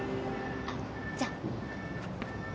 あっじゃあ。